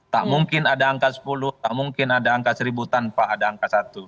tak mungkin ada angka sepuluh tak mungkin ada angka seribu tanpa ada angka satu